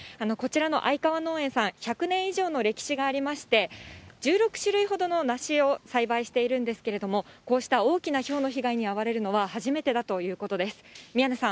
こちらの相川農園さん、１００年以上の歴史がありまして、１６種類ほどのなしを栽培しているんですけれども、こうした大きなひょうの被害に遭われるのは初めてだということです。